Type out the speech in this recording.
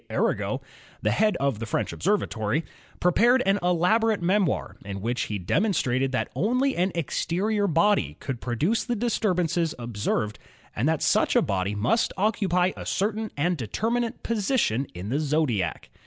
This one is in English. Arago, the head of the French Ob servatory, prepared an elaborate memoir in which he demonstrated that only an exterior body could produce the disturbances observed and that such a body must occupy a certain and determinate position in the zodiac.